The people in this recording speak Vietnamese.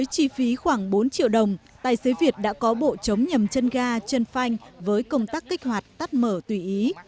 chi phí khoảng bốn triệu đồng tài xế việt đã có bộ chống nhầm chân ga chân phanh với công tác kích hoạt tắt mở tủy ý